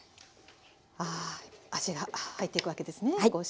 ああ味が入っていくわけですねこうして。